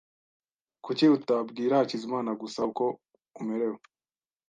Kuki utabwira Hakizimana gusa uko umerewe?